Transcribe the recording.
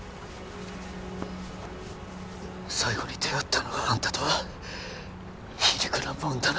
最後に出会ったのがあんたとは皮肉なもんだな